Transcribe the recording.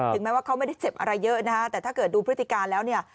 แม้ว่าเขาไม่ได้เจ็บอะไรเยอะนะฮะแต่ถ้าเกิดดูพฤติการแล้วเนี่ย